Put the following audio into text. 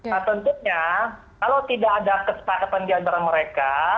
nah tentunya kalau tidak ada kesepakatan di antara mereka